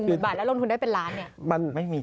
หมื่นบาทแล้วลงทุนได้เป็นล้านเนี่ย